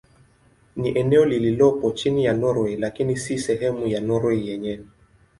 Ni eneo lililopo chini ya Norwei lakini si sehemu ya Norwei yenyewe.